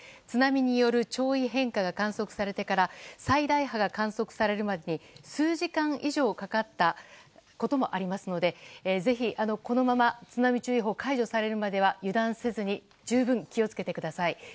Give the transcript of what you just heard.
津波による潮位変化が観測されてから最大波が観測されるまでに数時間以上かかったこともありますのでぜひ、このまま津波注意報が解除されるまでは油断せず十分、気を付けてください。